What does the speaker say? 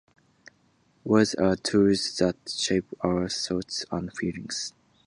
Words are tools that shape our thoughts and feelings.